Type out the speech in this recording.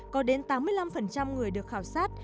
có đến tám mươi năm người được khảo sát